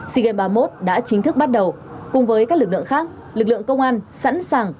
sea games ba mươi một đã chính thức bắt đầu cùng với các lực lượng khác lực lượng công an sẵn sàng